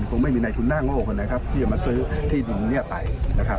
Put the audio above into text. คงไม่มีในทุนหน้าโลกนะครับที่จะมาซื้อที่ดินตรงนี้ไปนะครับ